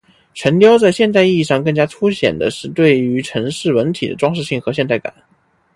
城雕在现代意义上更加凸显的是对于城市本体的装饰性和现代感。